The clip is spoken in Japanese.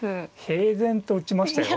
平然と打ちましたよ。